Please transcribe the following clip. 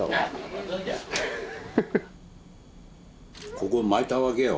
ここまいたわけよ。